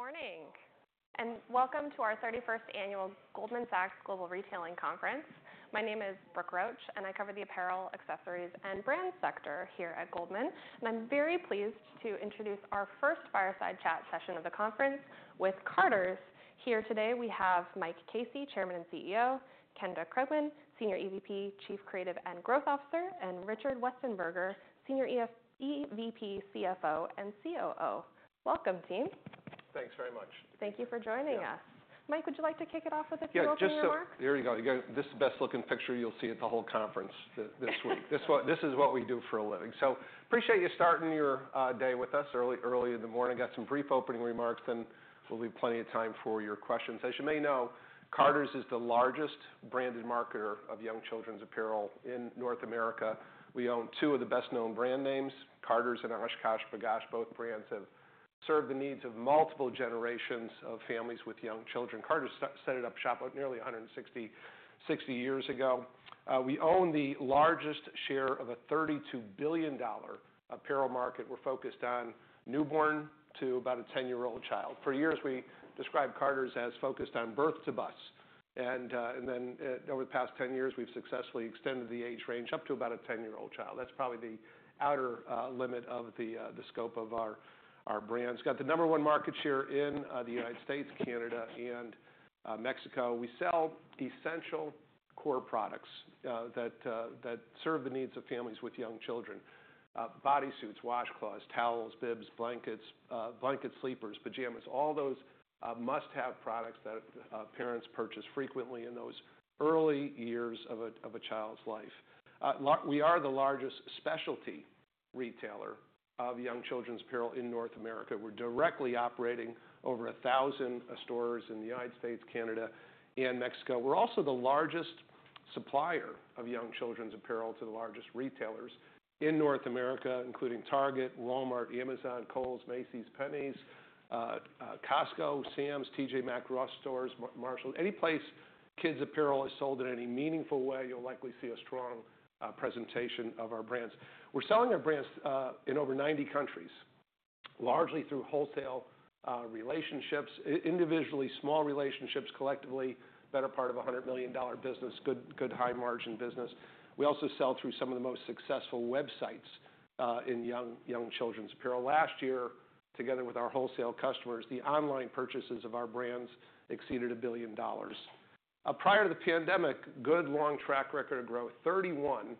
Good morning, and welcome to our 31st Annual Goldman Sachs Global Retailing Conference. My name is Brooke Roach, and I cover the apparel, accessories, and brand sector here at Goldman, and I'm very pleased to introduce our first fireside chat session of the conference with Carter's. Here today, we have Mike Casey, Chairman and CEO, Kendra Krugman, Senior EVP, Chief Creative and Growth Officer, and Richard Westenberger, Senior EVP, CFO, and COO. Welcome, team. Thanks very much. Thank you for joining us. Yeah. Mike, would you like to kick it off with a few opening remarks? Yeah, just so. There you go. This is the best-looking picture you'll see at the whole conference this week. This is what we do for a living. So appreciate you starting your day with us early in the morning. Got some brief opening remarks, then there'll be plenty of time for your questions. As you may know, Carter's is the largest branded marketer of young children's apparel in North America. We own two of the best-known brand names, Carter's and OshKosh B'gosh. Both brands have served the needs of multiple generations of families with young children. Carter's set it up shop nearly 160 years ago. We own the largest share of a $32 billion apparel market. We're focused on newborn to about a 10-year-old child. For years, we described Carter's as focused on birth to bus, and then, over the past 10 years, we've successfully extended the age range up to about a ten-year-old child. That's probably the outer limit of the scope of our brands. Got the number one market share in the United States, Canada, and Mexico. We sell essential core products that serve the needs of families with young children. Bodysuits, washcloths, towels, bibs, blankets, blanket sleepers, pajamas, all those must-have products that parents purchase frequently in those early years of a child's life. We are the largest specialty retailer of young children's apparel in North America. We're directly operating over a thousand stores in the United States, Canada, and Mexico. We're also the largest supplier of young children's apparel to the largest retailers in North America, including Target, Walmart, Amazon, Kohl's, Macy's, JCPenney, Costco, Sam's, T.J. Maxx, Ross Stores, Marshalls. Any place kids' apparel is sold in any meaningful way, you'll likely see a strong presentation of our brands. We're selling our brands in over 90 countries, largely through wholesale relationships, individually, small relationships, collectively, better part of a $100 million business, good high margin business. We also sell through some of the most successful websites in young children's apparel. Last year, together with our wholesale customers, the online purchases of our brands exceeded $1 billion. Prior to the pandemic, good long track record of growth, 31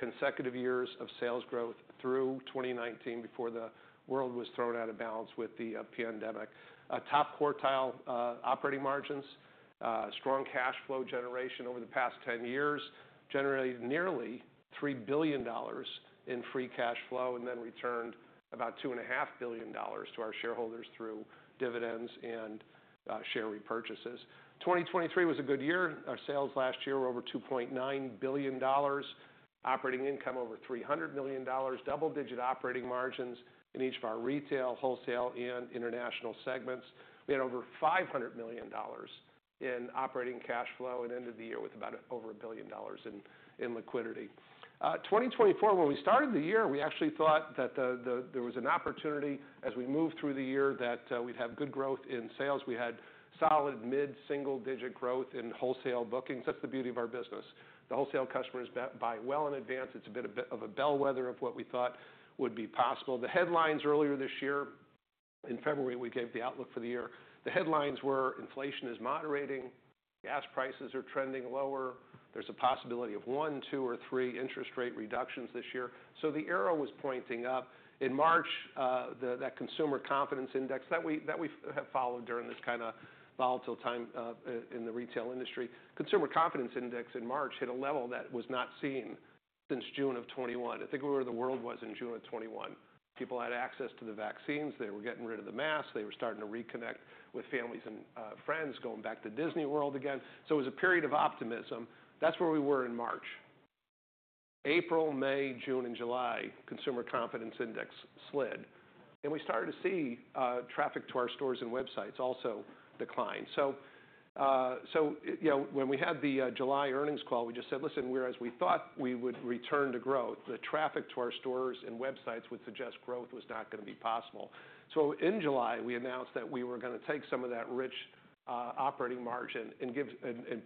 consecutive years of sales growth through 2019 before the world was thrown out of balance with the pandemic. Top quartile operating margins, strong cash flow generation over the past 10 years, generated nearly $3 billion in free cash flow, and then returned about $2.5 billion to our shareholders through dividends and share repurchases. 2023 was a good year. Our sales last year were over $2.9 billion, operating income over $300 million, double-digit operating margins in each of our retail, wholesale, and international segments. We had over $500 million in operating cash flow and ended the year with about over $1 billion in liquidity. 2024, when we started the year, we actually thought that there was an opportunity as we moved through the year, that we'd have good growth in sales. We had solid mid-single digit growth in wholesale bookings. That's the beauty of our business. The wholesale customers buy well in advance. It's a bit of, a bit of a bellwether of what we thought would be possible. The headlines earlier this year, in February, we gave the outlook for the year. The headlines were: inflation is moderating, gas prices are trending lower, there's a possibility of one, two, or three interest rate reductions this year. So the arrow was pointing up. In March, that Consumer Confidence Index that we have followed during this kinda volatile time, in the retail industry, Consumer Confidence Index in March hit a level that was not seen since June of 2021. I think we were where the world was in June of 2021. People had access to the vaccines. They were getting rid of the masks. They were starting to reconnect with families and friends, going back to Disney World again. So it was a period of optimism. That's where we were in March. April, May, June, and July, Consumer Confidence Index slid, and we started to see traffic to our stores and websites also decline. So you know, when we had the July earnings call, we just said, "Listen, whereas we thought we would return to growth, the traffic to our stores and websites would suggest growth was not gonna be possible." So in July, we announced that we were gonna take some of that rich operating margin and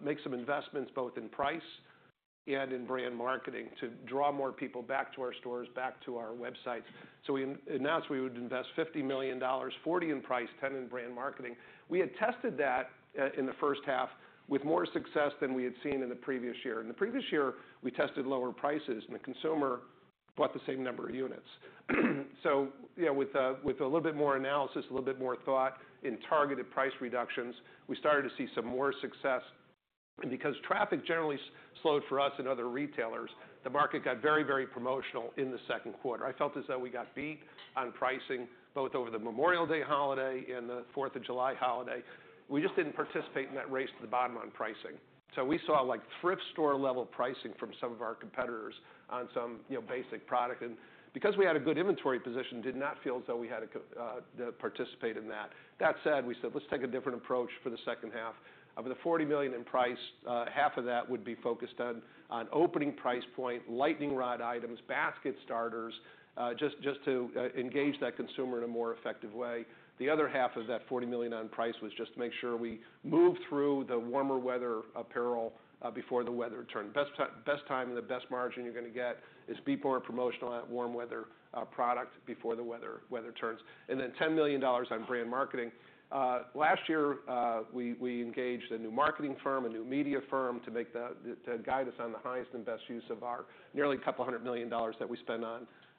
make some investments, both in price and in brand marketing, to draw more people back to our stores, back to our websites. So we announced we would invest $50 million, $40 million in price, $10 million in brand marketing. We had tested that in the first half with more success than we had seen in the previous year. In the previous year, we tested lower prices, and the consumer bought the same number of units. So, you know, with a little bit more analysis, a little bit more thought in targeted price reductions, we started to see some more success. Because traffic generally slowed for us and other retailers, the market got very, very promotional in the second quarter. I felt as though we got beat on pricing, both over the Memorial Day holiday and the 4th of July holiday. We just didn't participate in that race to the bottom on pricing.... We saw, like, thrift store-level pricing from some of our competitors on some, you know, basic product, and because we had a good inventory position, did not feel as though we had to participate in that. That said, we said, "Let's take a different approach for the second half." Of the $40 million in price, half of that would be focused on opening price point, lightning rod items, basket starters, just to engage that consumer in a more effective way. The other half of that $40 million on price was just to make sure we moved through the warmer weather apparel before the weather turned. Best time and the best margin you're gonna get is before a promotional on warm weather product, before the weather turns, and then $10 million on brand marketing. Last year, we engaged a new marketing firm, a new media firm to guide us on the highest and best use of our nearly $200 million that we spend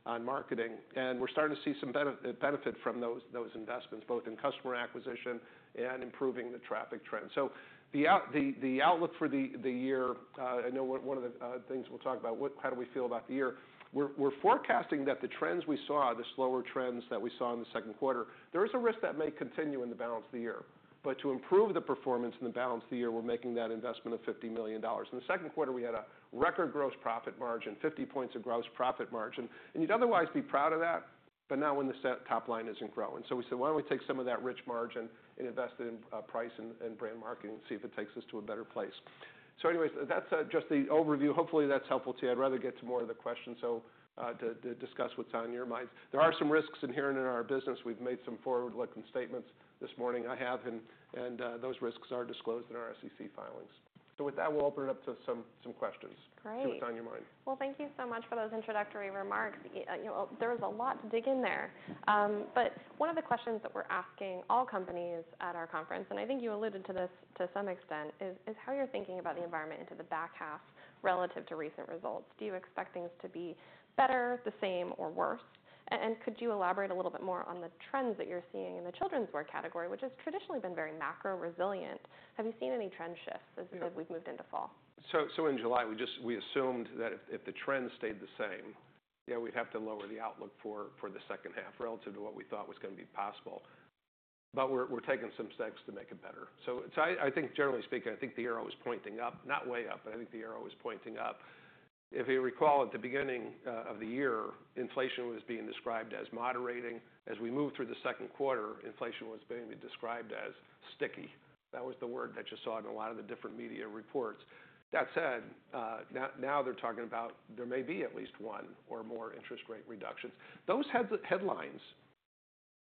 on marketing. And we're starting to see some benefit from those investments, both in customer acquisition and improving the traffic trends. So the outlook for the year, I know one of the things we'll talk about, how do we feel about the year? We're forecasting that the trends we saw, the slower trends that we saw in the second quarter, there is a risk that may continue in the balance of the year. But to improve the performance in the balance of the year, we're making that investment of $50 million. In the second quarter, we had a record gross profit margin, 50 points of gross profit margin, and you'd otherwise be proud of that, but not when the top line isn't growing. So we said, "Why don't we take some of that rich margin and invest it in price and brand marketing and see if it takes us to a better place?" So anyways, that's just the overview. Hopefully, that's helpful to you. I'd rather get to more of the questions, so to discuss what's on your minds. There are some risks inherent in our business. We've made some forward-looking statements this morning. I have, and those risks are disclosed in our SEC filings. So with that, we'll open it up to some questions. Great! See what's on your mind. Thank you so much for those introductory remarks. You know, there is a lot to dig in there. But one of the questions that we're asking all companies at our conference, and I think you alluded to this to some extent, is how you're thinking about the environment into the back half relative to recent results. Do you expect things to be better, the same, or worse? And could you elaborate a little bit more on the trends that you're seeing in the children's wear category, which has traditionally been very macro-resilient? Have you seen any trend shifts as we've moved into fall? So in July, we assumed that if the trend stayed the same, yeah, we'd have to lower the outlook for the second half relative to what we thought was gonna be possible. But we're taking some steps to make it better. So I think generally speaking, I think the arrow is pointing up, not way up, but I think the arrow is pointing up. If you recall, at the beginning of the year, inflation was being described as moderating. As we moved through the second quarter, inflation was being described as sticky. That was the word that you saw in a lot of the different media reports. That said, now they're talking about there may be at least one or more interest rate reductions. Those headlines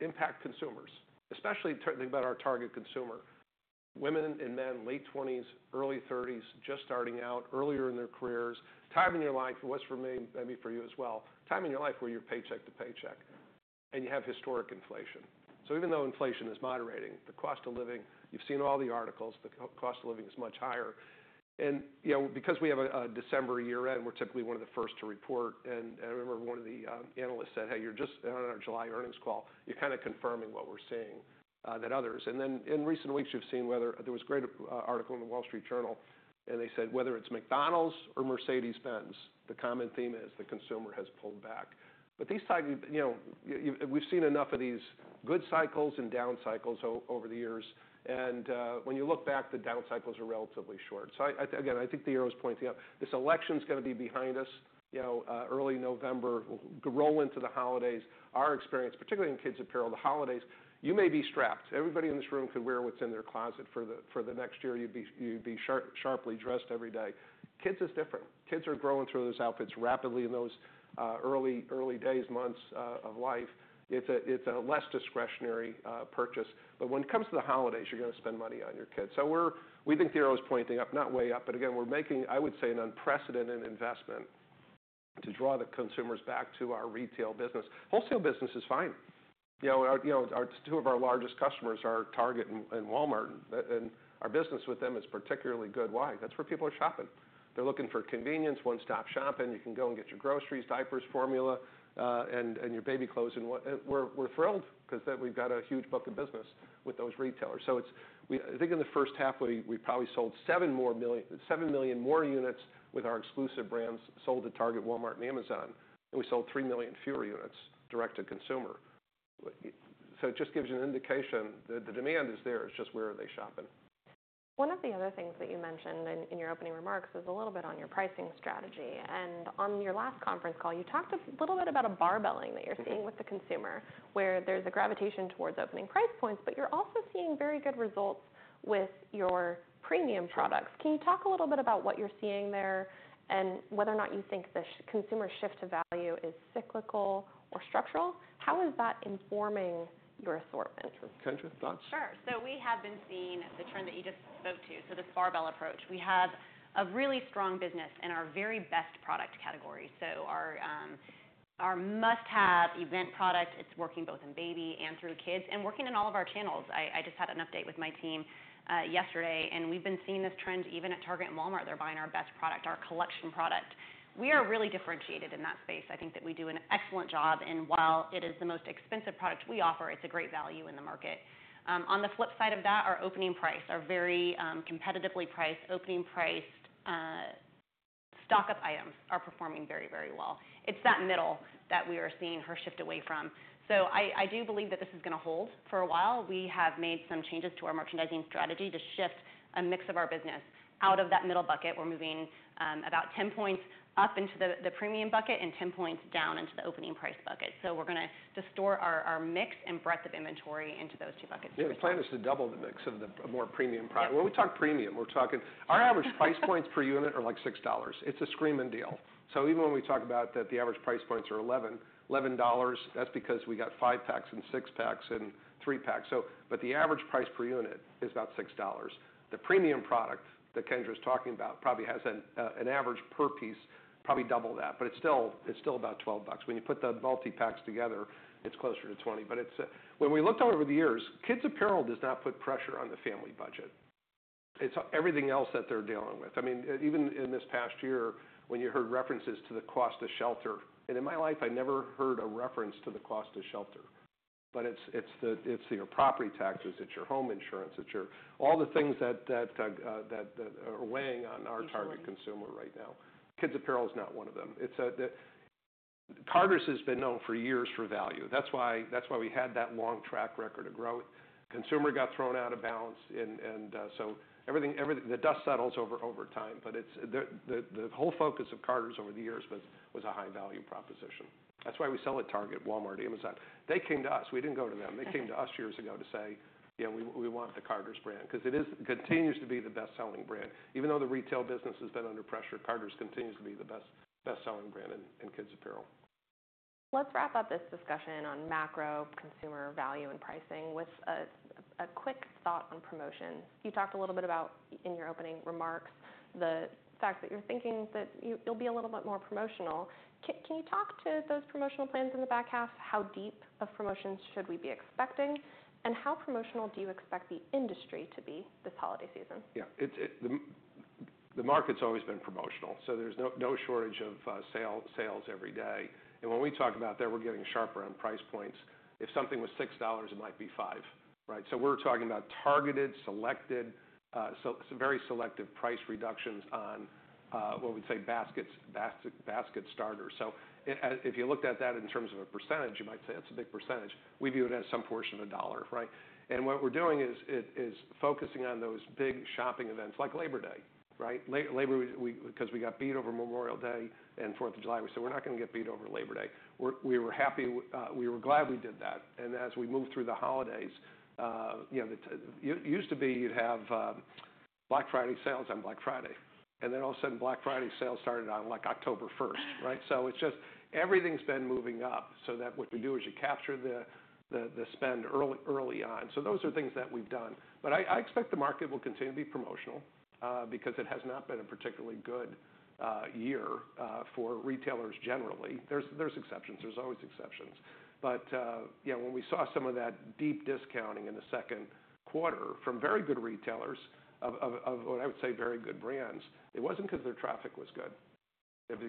impact consumers, especially about our target consumer, women and men, late twenties, early thirties, just starting out, earlier in their careers. Time in your life, was for me, maybe for you as well, time in your life where you're paycheck to paycheck, and you have historic inflation. So even though inflation is moderating, the cost of living, you've seen all the articles, the cost of living is much higher. And, you know, because we have a December year-end, we're typically one of the first to report. I remember one of the analysts said, "Hey, you're just on our July earnings call, 'You're kind of confirming what we're seeing than others.'" Then, in recent weeks, you've seen weather. There was a great article in The Wall Street Journal, and they said, "Whether it's McDonald's or Mercedes-Benz, the common theme is the consumer has pulled back." But these types, you know, we've seen enough of these good cycles and down cycles over the years, and when you look back, the down cycles are relatively short. I again think the arrow is pointing up. This election's gonna be behind us, you know, early November, we'll roll into the holidays. Our experience, particularly in kids' apparel, the holidays, you may be strapped. Everybody in this room could wear what's in their closet for the next year. You'd be sharply dressed every day. Kids is different. Kids are growing through those outfits rapidly in those early days, months, of life. It's a less discretionary purchase. But when it comes to the holidays, you're gonna spend money on your kids. So we think the arrow is pointing up, not way up, but again, we're making, I would say, an unprecedented investment to draw the consumers back to our retail business. Wholesale business is fine. You know, our two of our largest customers are Target and Walmart, and our business with them is particularly good. Why? That's where people are shopping. They're looking for convenience, one-stop shopping. You can go and get your groceries, diapers, formula, and your baby clothes. And we're thrilled, because then we've got a huge book of business with those retailers. So I think in the first half, we probably sold 7 million more units with our exclusive brands sold at Target, Walmart, and Amazon, and we sold 3 million fewer units direct to consumer. So it just gives you an indication that the demand is there. It's just where are they shopping? One of the other things that you mentioned in your opening remarks is a little bit on your pricing strategy, and on your last conference call, you talked a little bit about a barbelling that you're seeing- Mm-hmm with the consumer, where there's a gravitation towards opening price points, but you're also seeing very good results with your premium products. Can you talk a little bit about what you're seeing there, and whether or not you think the consumer shift to value is cyclical or structural? How is that informing your assortment? Kendra, thoughts? Sure. So we have been seeing the trend that you just spoke to, so this barbell approach. We have a really strong business in our very best product category. So our must-have event product, it's working both in baby and through kids and working in all of our channels. I just had an update with my team yesterday, and we've been seeing this trend even at Target and Walmart. They're buying our best product, our collection product. We are really differentiated in that space. I think that we do an excellent job, and while it is the most expensive product we offer, it's a great value in the market. On the flip side of that, our opening price, our very competitively priced, opening priced stock-up items are performing very, very well. It's that middle that we are seeing the shift away from. So I do believe that this is gonna hold for a while. We have made some changes to our merchandising strategy to shift a mix of our business. Out of that middle bucket, we're moving about 10 points up into the premium bucket and 10 points down into the opening price bucket. So we're gonna distort our mix and breadth of inventory into those two buckets. Yeah, the plan is to double the mix of the more premium product. Yeah. When we talk premium, we're talking. Our average price points per unit are, like, $6. It's a screaming deal. So even when we talk about that the average price points are $11, $11, that's because we got five-packs and six-packs and three-packs. So but the average price per unit is about $6. The premium product that Kendra's talking about probably has an average per piece, probably double that, but it's still, it's still about $12. When you put the multi-packs together, it's closer to $20. But it's. When we looked out over the years, kids' apparel does not put pressure on the family budget. It's everything else that they're dealing with. I mean, even in this past year, when you heard references to the cost of shelter, and in my life, I never heard a reference to the cost of shelter, but it's the, it's your property taxes, it's your home insurance, it's your- all the things that are weighing on our- Each one target consumer right now. Kids' apparel is not one of them. It's the Carter's has been known for years for value. That's why we had that long track record of growth. The consumer got thrown out of balance and so everything the dust settles over time, but it's the whole focus of Carter's over the years was a high-value proposition. That's why we sell at Target, Walmart, Amazon. They came to us. We didn't go to them. They came to us years ago to say: "You know, we want the Carter's brand." Because it continues to be the best-selling brand. Even though the retail business has been under pressure, Carter's continues to be the best-selling brand in kids' apparel. Let's wrap up this discussion on macro consumer value and pricing with a quick thought on promotions. You talked a little bit about, in your opening remarks, the fact that you're thinking that you'll be a little bit more promotional. Can you talk to those promotional plans in the back half? How deep of promotions should we be expecting, and how promotional do you expect the industry to be this holiday season? Yeah, the market's always been promotional, so there's no shortage of sales every day. And when we talk about that, we're getting sharper on price points. If something was $6, it might be $5, right? So we're talking about targeted, selected, so very selective price reductions on what we'd say basket starters. So if you looked at that in terms of a percentage, you might say that's a big percentage. We view it as some portion of a dollar, right? And what we're doing is focusing on those big shopping events, like Labor Day, right? Labor Day, because we got beat over Memorial Day and 4th of July, we said, "We're not gonna get beat over Labor Day." We were happy. We were glad we did that. And as we move through the holidays, you know, there used to be, you'd have Black Friday sales on Black Friday, and then all of a sudden, Black Friday sales started on, like, October 1st, right? So it's just... Everything's been moving up, so that what we do is you capture the spend early on. So those are things that we've done. But I expect the market will continue to be promotional, because it has not been a particularly good year for retailers generally. There's exceptions. There's always exceptions. But you know, when we saw some of that deep discounting in the second quarter from very good retailers, of what I would say, very good brands, it wasn't because their traffic was good. Because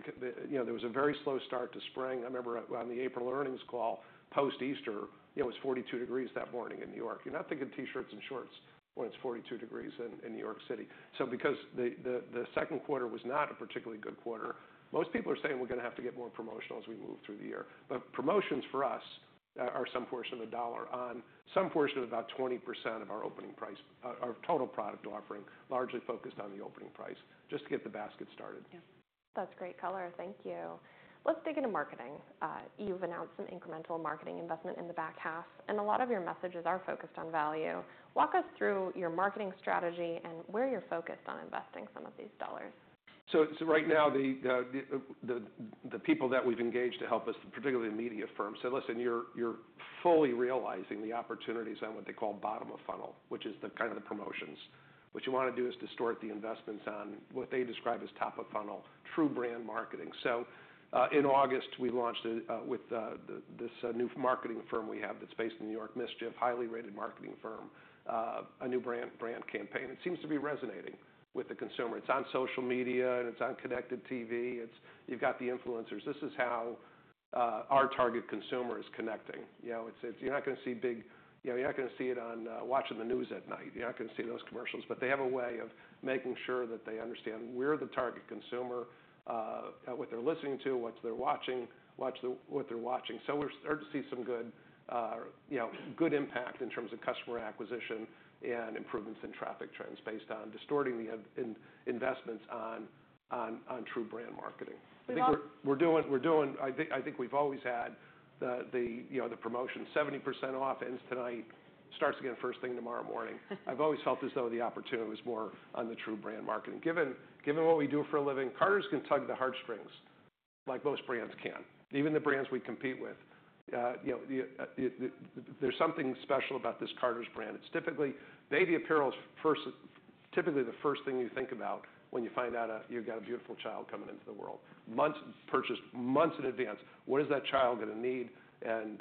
you know, there was a very slow start to spring. I remember on the April earnings call, post-Easter, it was 42 degrees that morning in New York. You're not thinking T-shirts and shorts when it's 42 degrees in New York City. Because the second quarter was not a particularly good quarter, most people are saying we're gonna have to get more promotional as we move through the year. But promotions for us are some portion of a dollar on some portion of about 20% of our opening price, our total product offering, largely focused on the opening price, just to get the basket started. Yeah. That's great color. Thank you. Let's dig into marketing. You've announced some incremental marketing investment in the back half, and a lot of your messages are focused on value. Walk us through your marketing strategy and where you're focused on investing some of these dollars. So right now, the people that we've engaged to help us, particularly the media firms, say, "Listen, you're fully realizing the opportunities on what they call bottom of funnel," which is the kind of promotions. What you wanna do is distort the investments on what they describe as top of funnel, true brand marketing. So in August, we launched with this new marketing firm we have that's based in New York, Mischief, highly rated marketing firm, a new brand campaign. It seems to be resonating with the consumer. It's on social media, and it's on connected TV. You've got the influencers. This is how our target consumer is connecting. You know, it's. You're not gonna see it on watching the news at night. You're not gonna see those commercials, but they have a way of making sure that they understand where the target consumer, what they're listening to, what they're watching, what they're watching. So we're starting to see some good, you know, good impact in terms of customer acquisition and improvements in traffic trends based on distorting the investments on true brand marketing. We're all- We're doing. I think we've always had the, you know, the promotion. 70% off ends tonight, starts again first thing tomorrow morning. I've always felt as though the opportunity was more on the true brand marketing. Given what we do for a living, Carter's can tug the heartstrings like most brands can, even the brands we compete with. You know, the, there's something special about this Carter's brand. It's typically. Baby apparel is first. Typically, the first thing you think about when you find out you've got a beautiful child coming into the world. Months. Purchased months in advance. What is that child gonna need? And,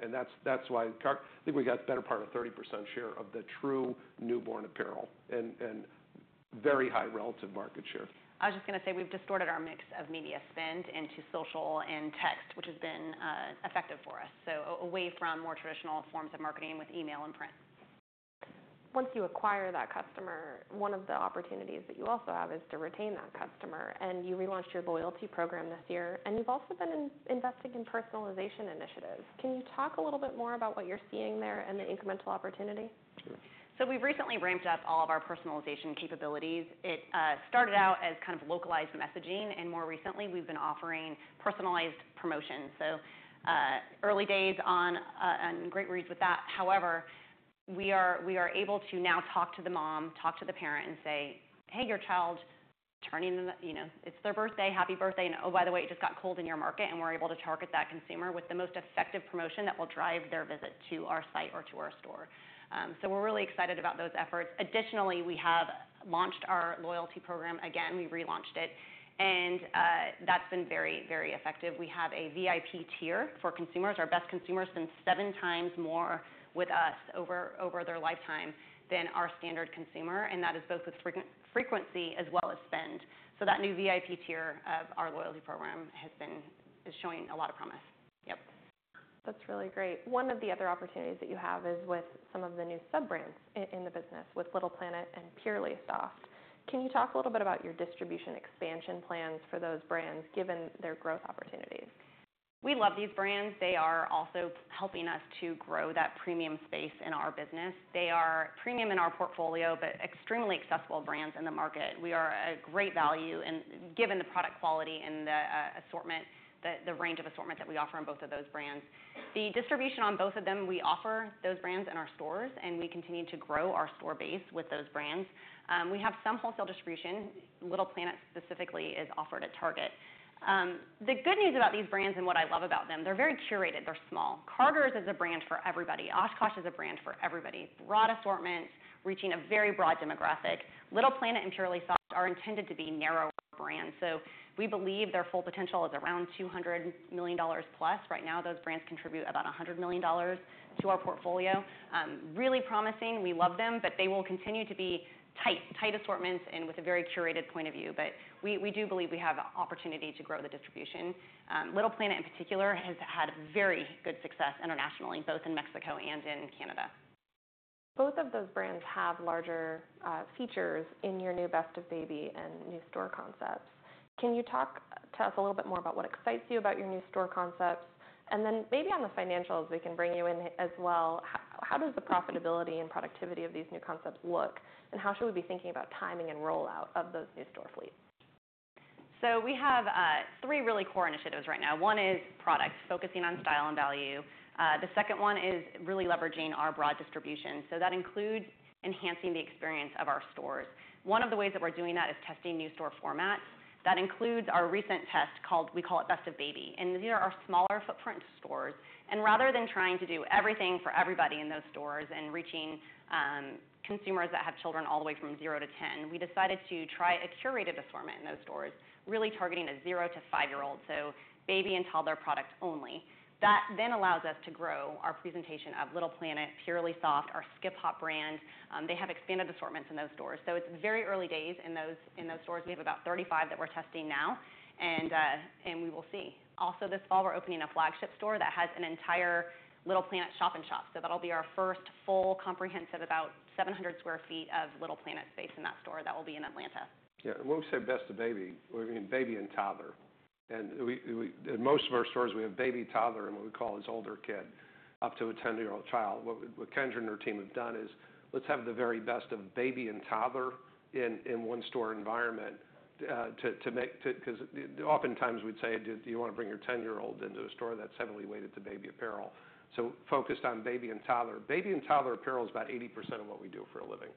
and that's why I think we got the better part of 30% share of the true newborn apparel and very high relative market share. I was just gonna say, we've distorted our mix of media spend into social and text, which has been effective for us, so away from more traditional forms of marketing with email and print. Once you acquire that customer, one of the opportunities that you also have is to retain that customer, and you relaunched your loyalty program this year, and you've also been investing in personalization initiatives. Can you talk a little bit more about what you're seeing there and the incremental opportunity? So we've recently ramped up all of our personalization capabilities. It started out as kind of localized messaging, and more recently, we've been offering personalized promotions. So early days on great reads with that. However, we are able to now talk to the mom, talk to the parent and say, "Hey, your child turning," you know, "It's their birthday. Happy birthday! And, oh, by the way, it just got cold in your market," and we're able to target that consumer with the most effective promotion that will drive their visit to our site or to our store. So we're really excited about those efforts. Additionally, we have launched our loyalty program. Again, we relaunched it, and that's been very, very effective. We have a VIP tier for consumers. Our best consumers spend 7x more with us over their lifetime than our standard consumer, and that is both with frequency as well as spend. So that new VIP tier of our loyalty program is showing a lot of promise. Yep. That's really great. One of the other opportunities that you have is with some of the new sub-brands in the business, with Little Planet and Purely Soft. Can you talk a little bit about your distribution expansion plans for those brands, given their growth opportunities? We love these brands. They are also helping us to grow that premium space in our business. They are premium in our portfolio, but extremely accessible brands in the market. We are a great value and given the product quality and the assortment, the range of assortment that we offer on both of those brands. The distribution on both of them, we offer those brands in our stores, and we continue to grow our store base with those brands. We have some wholesale distribution. Little Planet specifically is offered at Target. The good news about these brands and what I love about them, they're very curated, they're small. Carter's is a brand for everybody. OshKosh is a brand for everybody. Broad assortment, reaching a very broad demographic. Little Planet and Purely Soft are intended to be narrower brands, so we believe their full potential is around $200+ million. Right now, those brands contribute about $100 million to our portfolio. Really promising, we love them, but they will continue to be tight, tight assortments and with a very curated point of view. But we, we do believe we have an opportunity to grow the distribution. Little Planet, in particular, has had very good success internationally, both in Mexico and in Canada. Both of those brands have larger features in your new Best of Baby and new store concepts. Can you talk to us a little bit more about what excites you about your new store concepts? And then maybe on the financials, we can bring you in as well. How does the profitability and productivity of these new concepts look, and how should we be thinking about timing and rollout of those new store fleets? So we have three really core initiatives right now. One is product, focusing on style and value. The second one is really leveraging our broad distribution, so that includes enhancing the experience of our stores. One of the ways that we're doing that is testing new store formats. That includes our recent test called Best of Baby, and these are our smaller footprint stores, and rather than trying to do everything for everybody in those stores and reaching consumers that have children all the way from zero to ten, we decided to try a curated assortment in those stores, really targeting a zero to five-year-old, so baby and toddler product only. That then allows us to grow our presentation of Little Planet, Purely Soft, our Skip Hop brand. They have expanded assortments in those stores. So it's very early days in those stores. We have about 35 that we're testing now, and we will see. Also, this fall, we're opening a flagship store that has an entire Little Planet shop in shop. So that'll be our first full, comprehensive, about 700 sq ft of Little Planet space in that store. That will be in Atlanta. Yeah, when we say Best of Baby, we mean baby and toddler. And we in most of our stores, we have baby, toddler, and what we call as older kid, up to a ten-year-old child. What Kendra and her team have done is, let's have the very best of baby and toddler in one store environment, because oftentimes we'd say, "Do you want to bring your ten-year-old into a store that's heavily weighted to baby apparel?" So focused on baby and toddler. Baby and toddler apparel is about 80% of what we do for a living.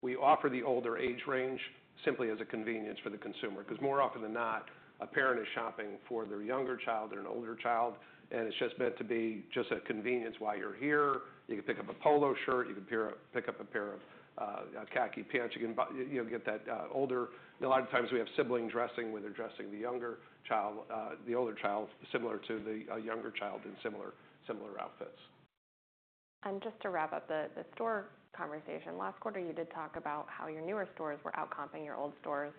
We offer the older age range simply as a convenience for the consumer, because more often than not, a parent is shopping for their younger child and an older child, and it's just meant to be just a convenience. While you're here, you can pick up a polo shirt, you can pick up a pair of khaki pants. You know, get that older. A lot of times we have sibling dressing, where they're dressing the younger child, the older child, similar to the younger child in similar, similar outfits. Just to wrap up the store conversation. Last quarter, you did talk about how your newer stores were outcomping your old stores.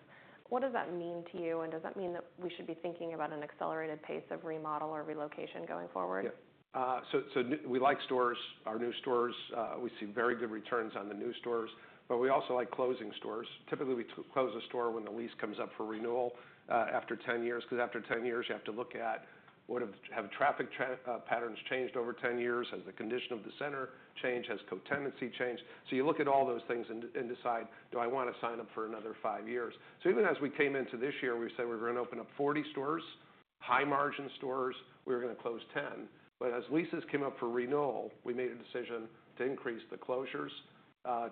What does that mean to you, and does that mean that we should be thinking about an accelerated pace of remodel or relocation going forward? Yeah. So we like stores, our new stores. We see very good returns on the new stores, but we also like closing stores. Typically, we close a store when the lease comes up for renewal, after 10 years, because after 10 years, you have to look at what have traffic patterns changed over 10 years? Has the condition of the center changed? Has co-tenancy changed? So you look at all those things and decide: Do I want to sign up for another five years? So even as we came into this year, we said we were going to open up 40 stores, high-margin stores. We were going to close 10. But as leases came up for renewal, we made a decision to increase the closures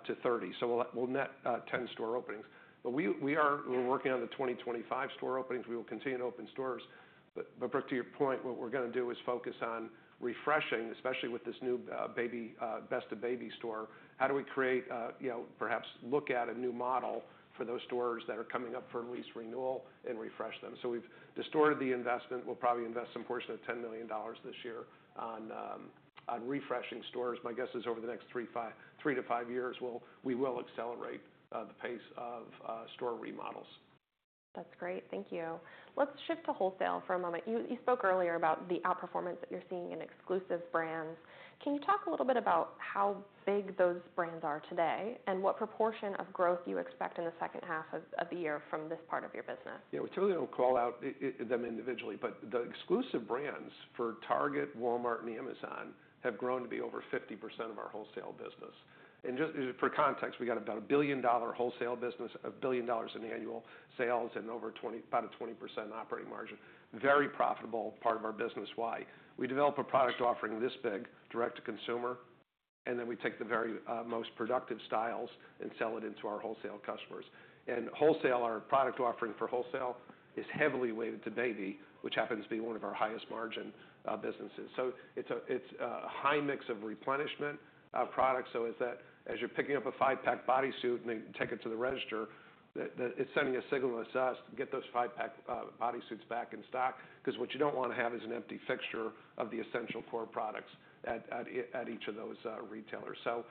to 30 So we'll net ten store openings. But we are working on the 2025 store openings. We will continue to open stores. But, Brooke, to your point, what we're going to do is focus on refreshing, especially with this new baby Best of Baby store. How do we create, you know, perhaps look at a new model for those stores that are coming up for lease renewal and refresh them? So we've distorted the investment. We'll probably invest some portion of $10 million this year on refreshing stores. My guess is over the next three to five years, we will accelerate the pace of store remodels. That's great. Thank you. Let's shift to wholesale for a moment. You spoke earlier about the outperformance that you're seeing in exclusive brands. Can you talk a little bit about how big those brands are today, and what proportion of growth you expect in the second half of the year from this part of your business? Yeah, we typically don't call out it, them individually, but the exclusive brands for Target, Walmart, and Amazon have grown to be over 50% of our wholesale business. And just for context, we got about a $1 billion wholesale business, $1 billion in annual sales, and about a 20% operating margin. Very profitable part of our business. Why? We develop a product offering this big, direct-to-consumer, and then we take the very, most productive styles and sell it into our wholesale customers. And wholesale. Our product offering for wholesale is heavily weighted to baby, which happens to be one of our highest margin businesses. So it's a high mix of replenishment products. So as you're picking up a five-pack bodysuit and then take it to the register, it's sending a signal to us to get those five-pack bodysuits back in stock, because what you don't want to have is an empty fixture of the essential core products at each of those retailers. So,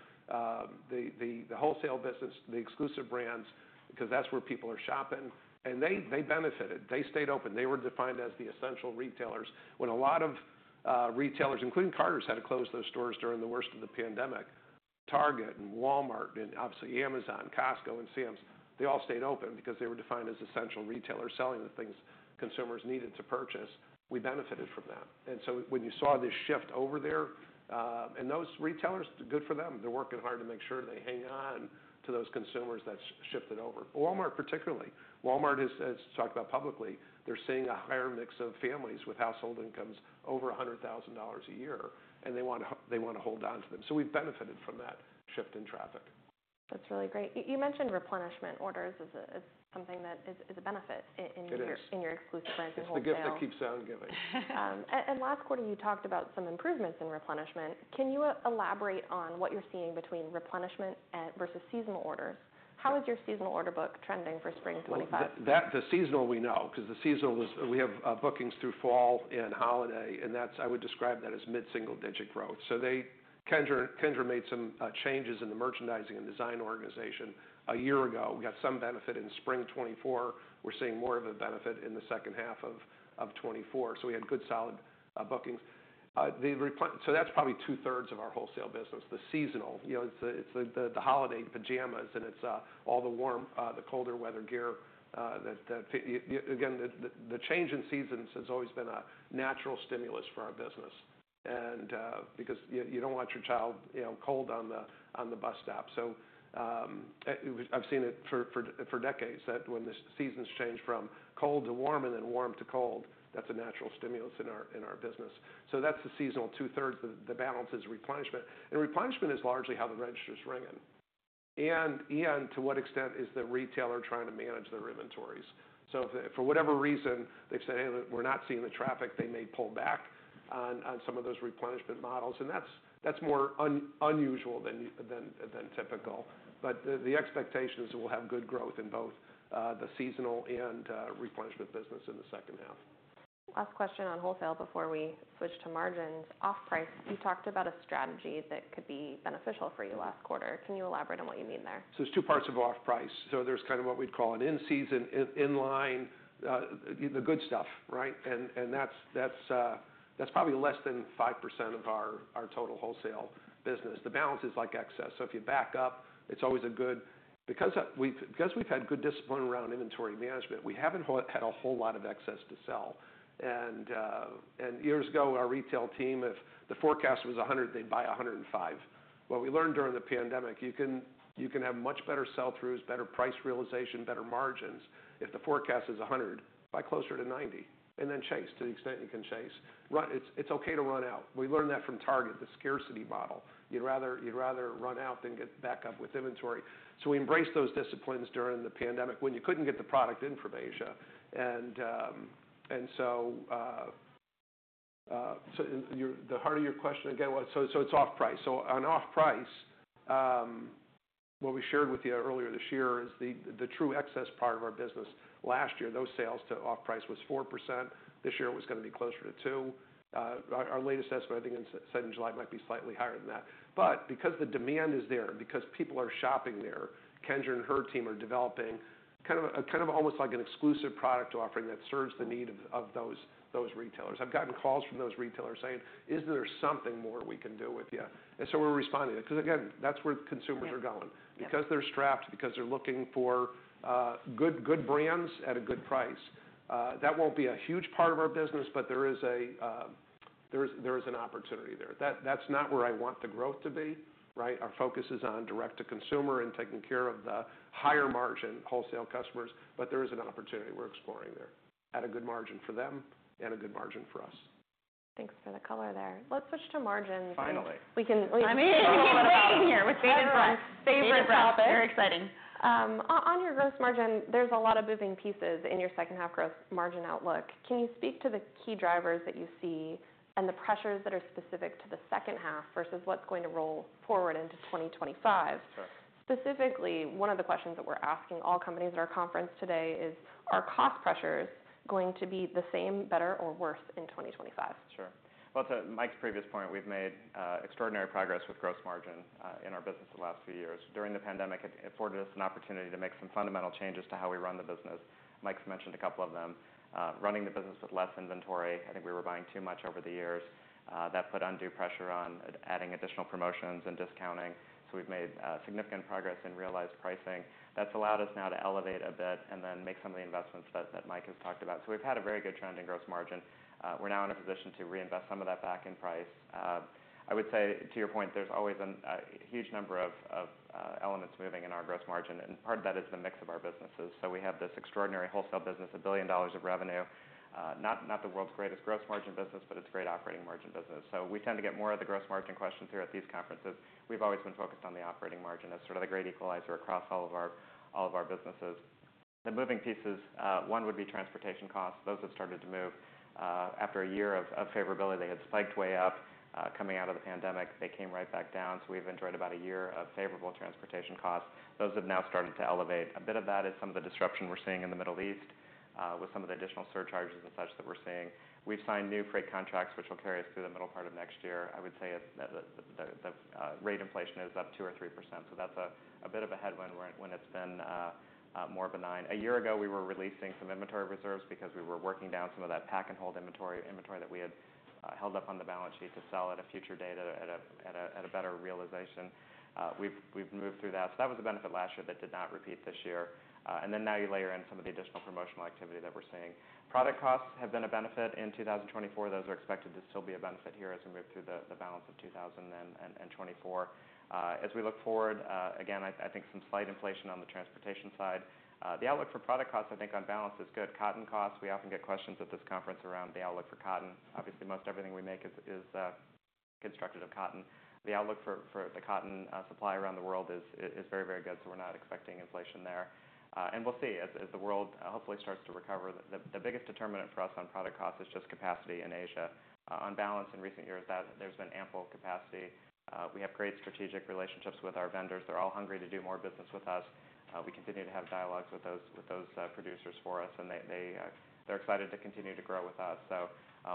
the wholesale business, the exclusive brands, because that's where people are shopping, and they benefited, they stayed open. They were defined as the essential retailers. When a lot of retailers, including Carter's, had to close those stores during the worst of the pandemic, Target and Walmart and obviously Amazon, Costco and Sam's, they all stayed open because they were defined as essential retailers, selling the things consumers needed to purchase. We benefited from that. And so when you saw this shift over there, and those retailers, good for them, they're working hard to make sure they hang on to those consumers that's shifted over. Walmart, particularly, has talked about publicly, they're seeing a higher mix of families with household incomes over $100,000 a year, and they want to hold onto them. So we've benefited from that shift in traffic. That's really great. You mentioned replenishment orders as something that is a benefit in- It is in your exclusive brands and wholesale. It's the gift that keeps on giving. Last quarter, you talked about some improvements in replenishment. Can you elaborate on what you're seeing between replenishment versus seasonal orders? How is your seasonal order book trending for spring 2025? The seasonal we know, because the seasonal was. We have bookings through fall and holiday, and that's. I would describe that as mid single digit growth. So, Kendra made some changes in the merchandising and design organization a year ago. We got some benefit in spring 2024. We're seeing more of a benefit in the second half of 2024. So we had good, solid bookings. So that's probably 2/3 of our wholesale business, the seasonal. You know, it's the holiday pajamas, and it's all the warm, the colder weather gear that. Again, the change in seasons has always been a natural stimulus for our business, and because you don't want your child, you know, cold on the bus stop. So, I've seen it for decades, that when the seasons change from cold to warm and then warm to cold, that's a natural stimulus in our business. So that's the seasonal 2/3. The balance is replenishment, and replenishment is largely how the register is ringing. And to what extent is the retailer trying to manage their inventories? So if for whatever reason, they've said, "Hey, we're not seeing the traffic," they may pull back on some of those replenishment models, and that's more unusual than typical. But the expectation is we'll have good growth in both, the seasonal and replenishment business in the second half. Last question on wholesale before we switch to margins. Off-price, you talked about a strategy that could be beneficial for you last quarter. Can you elaborate on what you mean there? So there's two parts of off-price. So there's kind of what we'd call an in-season, in-line, the good stuff, right? And that's probably less than 5% of our total wholesale business. The balance is like excess. So if you back up. Because we've had good discipline around inventory management, we haven't had a whole lot of excess to sell. And years ago, our retail team, if the forecast was a hundred, they'd buy a hundred and five. What we learned during the pandemic, you can have much better sell-throughs, better price realization, better margins. If the forecast is a hundred, buy closer to 90, and then chase to the extent you can chase. It's okay to run out. We learned that from Target, the scarcity model. You'd rather, you'd rather run out than get back up with inventory. So we embraced those disciplines during the pandemic when you couldn't get the product in from Asia. And so the heart of your question again was off-price. So on off-price, what we shared with you earlier this year is the true excess part of our business. Last year, those sales to off-price was 4%. This year, it was gonna be closer to 2%. Our latest estimate, I think, we said in July, might be slightly higher than that. But because the demand is there, because people are shopping there, Kendra and her team are developing kind of almost like an exclusive product offering that serves the need of those retailers. I've gotten calls from those retailers saying: Is there something more we can do with you? And so we're responding to it. Because, again, that's where consumers are going. Yeah. Because they're strapped, because they're looking for good brands at a good price. That won't be a huge part of our business, but there is an opportunity there. That's not where I want the growth to be, right? Our focus is on direct-to-consumer and taking care of the higher margin wholesale customers, but there is an opportunity we're exploring there, at a good margin for them and a good margin for us. Thanks for the color there. Let's switch to margins. Finally! We've been waiting here. We've waited for it. Very exciting. On your gross margin, there's a lot of moving pieces in your second half gross margin outlook. Can you speak to the key drivers that you see and the pressures that are specific to the second half versus what's going to roll forward into 2025? Sure. Specifically, one of the questions that we're asking all companies at our conference today is, are cost pressures going to be the same, better, or worse in 2025? Sure. Well, to Mike's previous point, we've made extraordinary progress with gross margin in our business the last few years. During the pandemic, it afforded us an opportunity to make some fundamental changes to how we run the business. Mike's mentioned a couple of them. Running the business with less inventory. I think we were buying too much over the years. That put undue pressure on adding additional promotions and discounting. So we've made significant progress in realized pricing. That's allowed us now to elevate a bit and then make some of the investments that Mike has talked about. So we've had a very good trend in gross margin. We're now in a position to reinvest some of that back in price. I would say, to your point, there's always a huge number of elements moving in our gross margin, and part of that is the mix of our businesses. So we have this extraordinary wholesale business, $1 billion of revenue. Not the world's greatest gross margin business, but it's a great operating margin business. So we tend to get more of the gross margin questions here at these conferences. We've always been focused on the operating margin as sort of the great equalizer across all of our businesses. The moving pieces, one would be transportation costs. Those have started to move. After a year of favorability, they had spiked way up. Coming out of the pandemic, they came right back down. So we've enjoyed about a year of favorable transportation costs. Those have now started to elevate. A bit of that is some of the disruption we're seeing in the Middle East, with some of the additional surcharges and such that we're seeing. We've signed new freight contracts, which will carry us through the middle part of next year. I would say it's the rate inflation is up 2% or 3%, so that's a bit of a headwind when it's been more benign. A year ago, we were releasing some inventory reserves because we were working down some of that pack-and-hold inventory, inventory that we had held up on the balance sheet to sell at a future date, at a better realization. We've moved through that. So that was a benefit last year that did not repeat this year. And then now you layer in some of the additional promotional activity that we're seeing. Product costs have been a benefit in 2024. Those are expected to still be a benefit here as we move through the balance of 2024. As we look forward, again, I think some slight inflation on the transportation side. The outlook for product costs, I think on balance, is good. Cotton costs, we often get questions at this conference around the outlook for cotton. Obviously, most everything we make is constructed of cotton. The outlook for the cotton supply around the world is very, very good, so we're not expecting inflation there. And we'll see as the world hopefully starts to recover. The biggest determinant for us on product cost is just capacity in Asia. On balance, in recent years, that there's been ample capacity. We have great strategic relationships with our vendors. They're all hungry to do more business with us. We continue to have dialogues with those producers for us, and they're excited to continue to grow with us. So,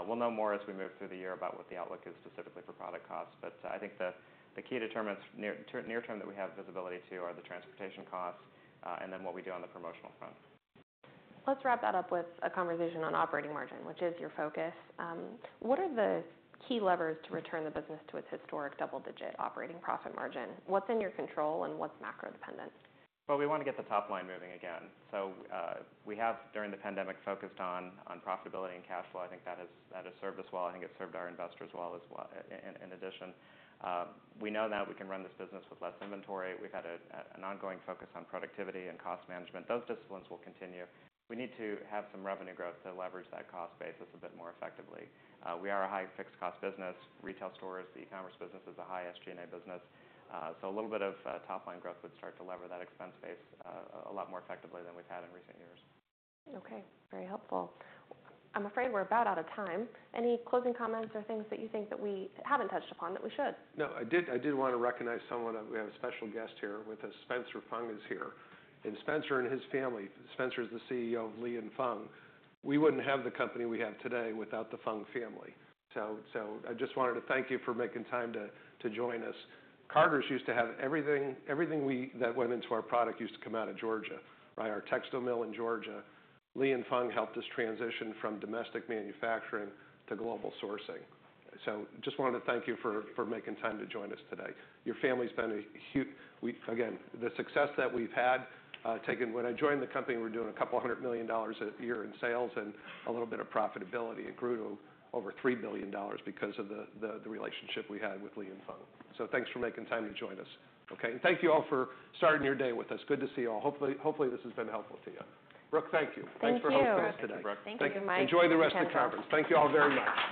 we'll know more as we move through the year about what the outlook is specifically for product costs. But, I think the key determinants near term that we have visibility to are the transportation costs, and then what we do on the promotional front. Let's wrap that up with a conversation on operating margin, which is your focus. What are the key levers to return the business to its historic double-digit operating profit margin? What's in your control and what's macro dependent? We want to get the top line moving again. We have, during the pandemic, focused on profitability and cash flow. I think that has served us well. I think it's served our investors well as well. In addition, we know now we can run this business with less inventory. We've had an ongoing focus on productivity and cost management. Those disciplines will continue. We need to have some revenue growth to leverage that cost base just a bit more effectively. We are a high fixed cost business. Retail stores, the e-commerce business is a high SG&A business. A little bit of top line growth would start to lever that expense base a lot more effectively than we've had in recent years. Okay, very helpful. I'm afraid we're about out of time. Any closing comments or things that you think that we haven't touched upon that we should? No, I did, I do want to recognize someone. We have a special guest here with us. Spencer Fung is here, and Spencer and his family... Spencer is the CEO of Li & Fung. We wouldn't have the company we have today without the Fung family. So I just wanted to thank you for making time to join us. Carter's used to have everything that went into our product, used to come out of Georgia, right? Our textile mill in Georgia. Li & Fung helped us transition from domestic manufacturing to global sourcing. So just wanted to thank you for making time to join us today. Your family's been a huge. We. Again, the success that we've had. When I joined the company, we were doing $200 million a year in sales and a little bit of profitability. It grew to over $3 billion because of the relationship we had with Li & Fung. So thanks for making time to join us. Okay, and thank you all for starting your day with us. Good to see you all. Hopefully, this has been helpful to you. Brooke, thank you. Thank you. Thanks for hosting us today, Brooke. Thank you, Mike. Enjoy the rest of the conference. Thank you all very much.